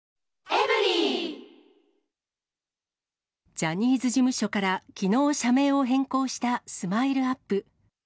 ジャニーズ事務所からきのう社名を変更したスマイルアップ。